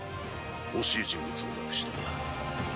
惜しい人物を亡くしたな。